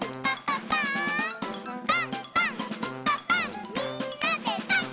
「パンパンんパパンみんなでパン！」